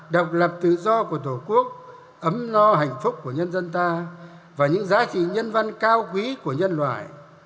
độc lập tự do của tổ quốc ấm no hạnh phúc của nhân dân ta và những giá trị nhân văn cao quý của nhân loại